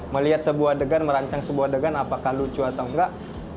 melihat sebuah adegan merancang sebuah adegan apakah lucu atau enggak